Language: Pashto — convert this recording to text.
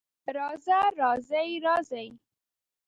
راځه، راځې، راځئ